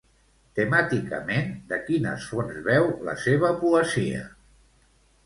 Temàticament, de quines fonts beu la seva poesia?